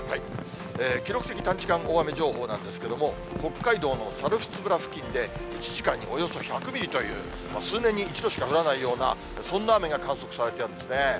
記録的短時間大雨情報なんですけれども、北海道の猿払村付近で、１時間におよそ１００ミリという、数年に一度しか降らないような、そんな雨が観測されているんですね。